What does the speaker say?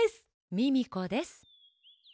ミミコです！